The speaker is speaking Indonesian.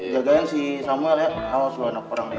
jagain si samuel ya awal suara perang dia